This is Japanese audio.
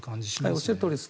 おっしゃるとおりです。